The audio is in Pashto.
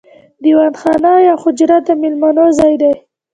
دیوان خانه یا حجره د میلمنو ځای دی.